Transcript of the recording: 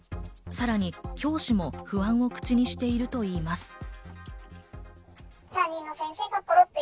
さらに教師も不安を口にしているといいます。